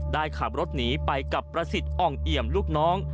ได้ขับรถหนีไปกับประสิทธิ์อ่องเอี่ยมลูกน้อง